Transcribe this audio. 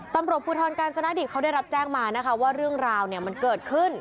ตำรวจภูทรกาญจนดิตเขาได้รับแจ้งมานะคะว่าเรื่องราวเนี่ยมันเกิดขึ้น